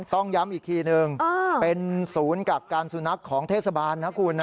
ต้องย้ำอีกทีนึงเป็นศูนย์กักกันสุนัขของเทศบาลนะคุณ